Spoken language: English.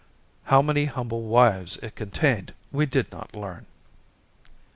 How many humble wives it contained, we did not learn.